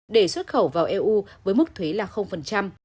để xuất khẩu vào eu với mức thuế là